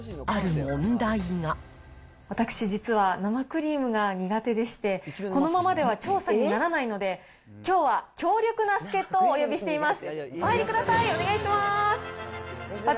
私、実は、生クリームが苦手でして、このままでは調査にならないので、きょうは、強力な助っ人をお呼びしています。